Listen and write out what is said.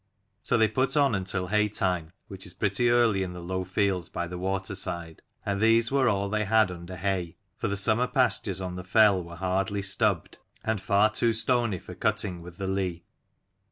So they put on until haytime, which is pretty early in the low fields by the waterside, and these were all they had under hay : for the summer pastures on the fell were hardly stubbed, and far too stony for cutting with the ley.